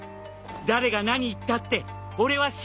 誰が何言ったって俺は信じてる。